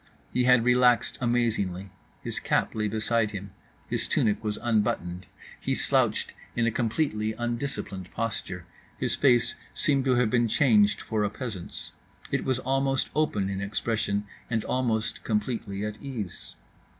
He had relaxed amazingly: his cap lay beside him, his tunic was unbuttoned, he slouched in a completely undisciplined posture—his face seemed to have been changed for a peasant's, it was almost open in expression and almost completely at ease.